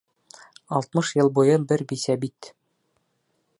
Алтмыш йыл буйы бер бисә бит!